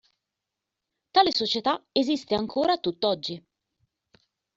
Tale Società esiste ancora a tutt'oggi.